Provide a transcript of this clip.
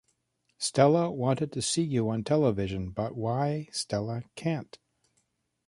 Stella wanted to see you on television, but why Stella can’t?